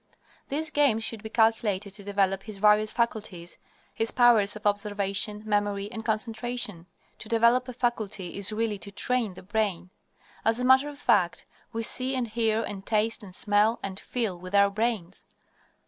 These games should be calculated to develop his various faculties, his powers of observation, memory, and concentration. To develop a faculty is really to train the brain. As a matter of fact, we see and hear and taste and smell and feel with our brains.